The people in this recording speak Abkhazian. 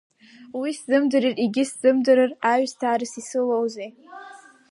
Уи сзымдырыр, егьи сзымдырыр, аҩысҭаарас исылоузеи…